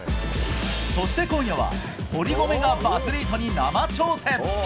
そして、今夜は堀米がバズリートに生挑戦。